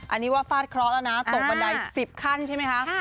อันนี้ว่าฟาดเคราะห์แล้วนะตกบันได๑๐ขั้นใช่ไหมคะ